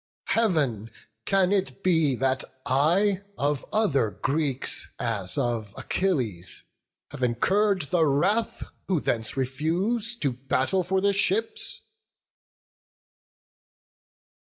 Heav'n! can it be that I of other Greeks, As of Achilles, have incurr'd the wrath, Who thence refuse to battle for the ships?"